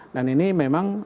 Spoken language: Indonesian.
dan ini memang